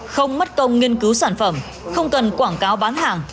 không mất công nghiên cứu sản phẩm không cần quảng cáo bán hàng